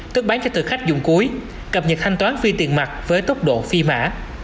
tức bán cho thực khách dùng cuối cập nhật thanh toán phi tiền mặt với tốc độ phi mã